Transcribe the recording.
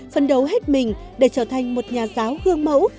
phân đấu hết mình để trở thành một nhà giáo gương mẫu